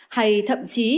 hay thậm chí